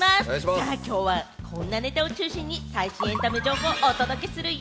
さぁ、きょうはこんなネタを中心に最新エンタメ情報をお届けするよ。